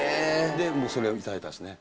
でもうそれを頂いたんですね。